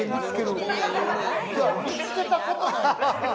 見つけたことない。